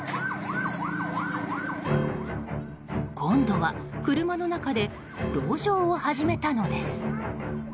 今度は車の中で籠城を始めたのです。